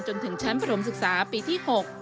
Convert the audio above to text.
จนถึงชั้นประถมศึกษาปีที่๖